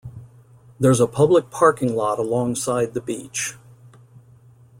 There's a public parking lot alongside the beach.